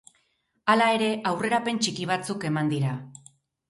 Hala ere, aurrerapen txiki batzuk eman dira.